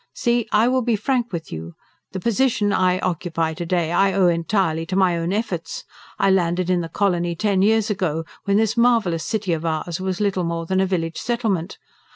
See, I will be frank with you. The position I occupy to day I owe entirely to my own efforts. I landed in the colony ten years ago, when this marvellous city of ours was little more than a village settlement.